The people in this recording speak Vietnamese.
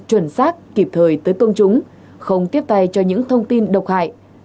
chuẩn xác kịp thời tới công chúng không tiếp tay cho những thông tin độc hại